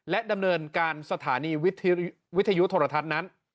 ดำเนินการสถานีวิทยุโทรทัศน์นั้น